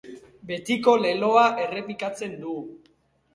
Betiko leloa errepikatzen du.